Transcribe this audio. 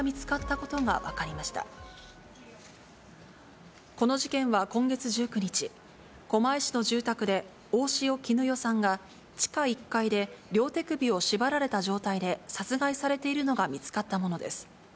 この事件は今月１９日、狛江市の住宅で大塩衣与さんが、地下１階で両手首を縛られた状態で殺害されているのが見つかったものです。